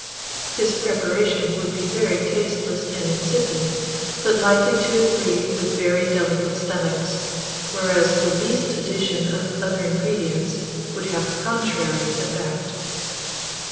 This preparation would be very tasteless and insipid, but likely to agree with very delicate stomachs, whereas the least addition of other ingredients would have the contrary effect.